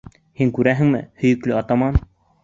Һин күрәһеңме, һөйөклө атаман?